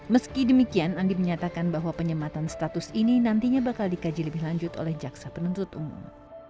meski demikian andi menyatakan bahwa penyematan status ini nantinya bakal dikaji lebih lanjut oleh jaksa penuntut umum